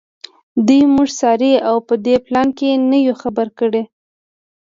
دوی موږ څاري او په دې پلان یې نه یو خبر کړي